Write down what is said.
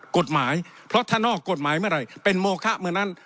กฎหมายเพราะถ้านอกกฎหมายเมื่อไหร่เป็นโมคะเมื่อนั้น